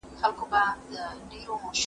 که پوهنتون وي نو مسلک نه پاتې کیږي.